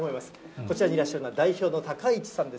こちらにいらっしゃるのは、代表の高市さんです。